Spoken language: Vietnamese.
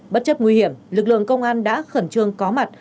bất chấp nguy hiểm lực lượng công an đã khẩn trương có mặt